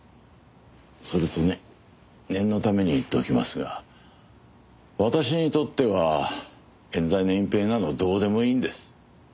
それとね念のために言っておきますが私にとっては冤罪の隠蔽などどうでもいいんです。